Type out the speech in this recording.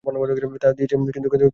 তা দিয়েছি, কিন্তু সহজ মনে দিই নি।